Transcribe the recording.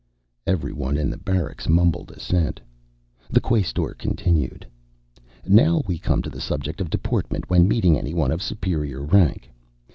Everyone in the barracks mumbled assent. The Quaestor continued, "Now we come to the subject of deportment when meeting anyone of superior rank.